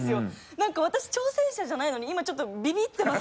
何か私挑戦者じゃないのに今ちょっとびびってます。